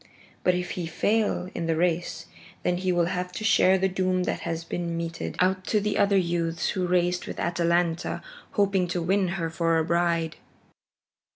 But if he fail in the race, then he will have to share the doom that has been meted out to the other youths who raced with Atalanta hoping to win her for a bride."